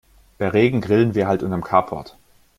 Bei Regen grillen wir halt unterm Carport.